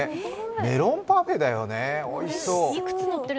メロンパフェだよね、おいしそう。